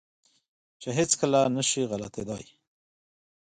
چې هېڅ کله نه شي غلطېداى.